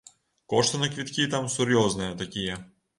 Кошты на квіткі там сур'ёзныя такія.